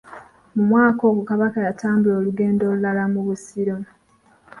Mu mwaka ogwo Kabaka yatambula olugendo olulala mu Busiro.